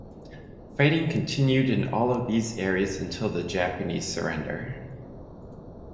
Fighting continued in all of these areas until the Japanese surrender.